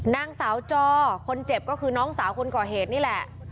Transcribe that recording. นางสาวจอคนเจ็บก็คือน้องสาวคนก่อเหตุนี่แหละ